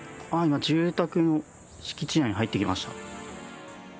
住宅の敷地内に入っていきました。